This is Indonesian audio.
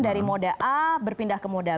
dari moda a berpindah ke moda